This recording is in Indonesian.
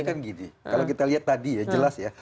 ini kan gini kalau kita lihat tadi ya jelas ya